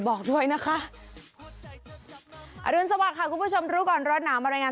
บอกด้วยนะคะอรุณสวัสดิค่ะคุณผู้ชมรู้ก่อนร้อนหนาวมารายงาน